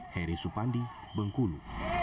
heri supandi bengkulu